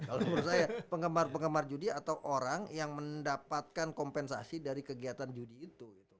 kalau menurut saya penggemar penggemar judi atau orang yang mendapatkan kompensasi dari kegiatan judi itu